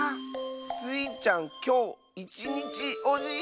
スイちゃんきょういちにちおじいさんなんだ！